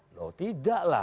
loh tidak lah